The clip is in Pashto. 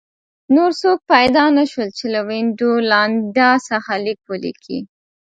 نور څوک پیدا نه شول چې له وینډولانډا څخه لیک ولیکي